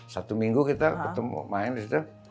satu minggu kita main disitu